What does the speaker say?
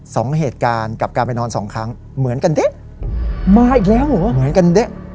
สองเหตุการณ์กับการไปนอนสองครั้งเหมือนกันเด๊ะมาอีกแล้วเหรอเหมือนกันเด๊ะ